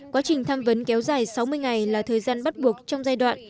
quá trình tham vấn kéo dài sáu mươi ngày là thời gian bắt buộc trong giai đoạn